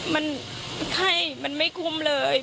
มันไข้มันไม่คุ้มเลย